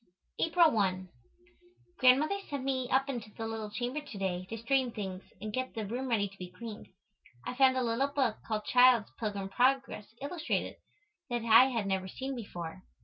April 1. Grandmother sent me up into the little chamber to day to straighten things and get the room ready to be cleaned. I found a little book called "Child's Pilgrim Progress, Illustrated," that I had never seen before.